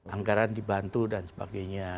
angkaran dibantu dan sebagainya